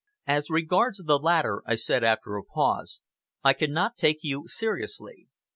"As regards the latter," I said after a pause, "I can not take you seriously.